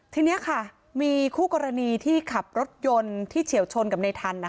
ทีนี้ค่ะมีคู่กรณีที่ขับรถยนต์ที่เฉียวชนกับในทัน